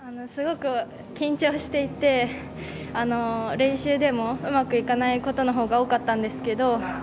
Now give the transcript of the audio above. すごく緊張していて練習でも、うまくいかないことのほうが多かったんですけど。